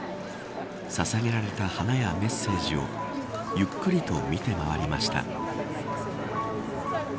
ささげられた花やメッセージをゆっくりと見て回りました。